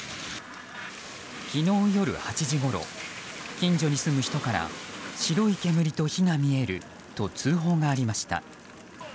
昨日夜８時ごろ近所に住む人から白い煙と火が見えると通報がありました。